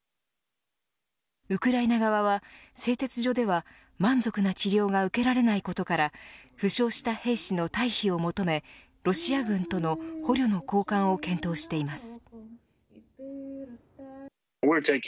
ウクライナ側は製鉄所では満足な治療が受けられないことから負傷した兵士の退避を求めロシア軍との捕虜の交換を検討しています。